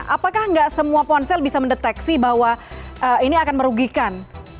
apakah nggak semua ponsel bisa mendeteksi bahwa ini akan merugikan